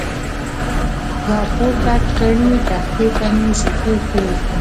را پورته کړې، تختې ته مې سیخې کړې.